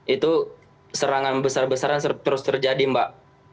itu serangan besar besaran terus terjadi mbak